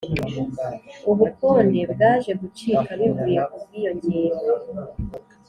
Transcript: ubukonde bwaje gucika bivuye ku bwiyongere